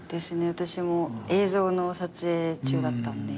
私も映像の撮影中だったんで。